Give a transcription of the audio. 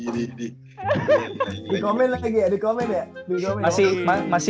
di komen lagi ya